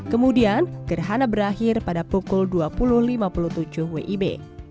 kemudian gerhana berakhir pada pukul dua puluh lima puluh tujuh wib